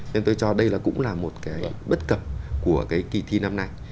nên tôi cho đây là cũng là một cái bất cập của cái kỳ thi năm nay